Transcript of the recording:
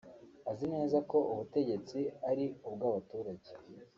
Azi neza ko ubutegetsi ari ubw’abaturage